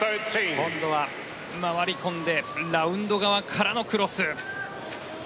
今度は回り込んでラウンド側からのクロス。